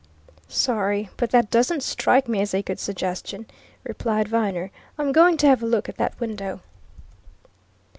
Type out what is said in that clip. "Sorry, but that doesn't strike me as a good suggestion," replied Viner. "I'm going to have a look at that window!"